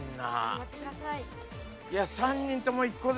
頑張ってください。